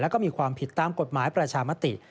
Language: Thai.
แล้วก็มีความผิดตามกฎหมายประชามติ